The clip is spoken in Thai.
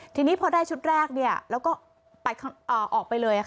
ทีนี้พอได้ชุดแรกแล้วก็ออกไปเลย